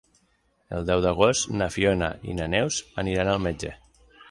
El deu d'agost na Fiona i na Neus aniran al metge.